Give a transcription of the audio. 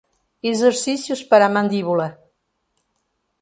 Exercícios para a mandíbula